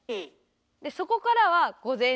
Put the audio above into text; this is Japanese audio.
でそこからは「午前中」。